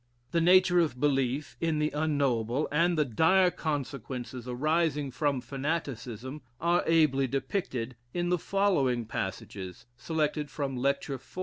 The nature of belief in the unknowable, and the dire consequences arising from fanaticism, are ably depicted in the following passages, selected from Lecture IV.